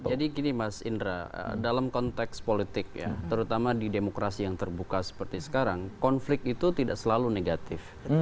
jadi gini mas indra dalam konteks politik ya terutama di demokrasi yang terbuka seperti sekarang konflik itu tidak selalu negatif